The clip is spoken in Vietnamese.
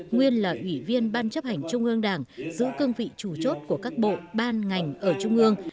nguyên là ủy viên ban chấp hành trung ương đảng giữ cương vị chủ chốt của các bộ ban ngành ở trung ương